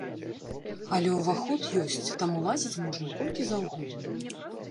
Але ўваход ёсць, таму лазіць можна колькі заўгодна.